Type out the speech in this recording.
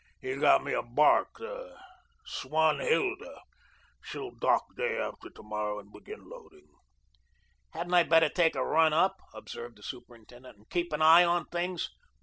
He got me a barque, the 'Swanhilda.' She'll dock day after to morrow, and begin loading." "Hadn't I better take a run up," observed the superintendent, "and keep an eye on things?"